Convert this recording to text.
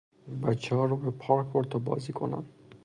بچهها رو به پارک برد تا بازی کنن